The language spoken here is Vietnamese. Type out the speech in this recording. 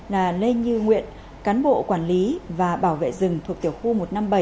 là lê như nguyễn cán bộ quản lý và bảo vệ rừng thuộc tiểu khu một trăm năm mươi bảy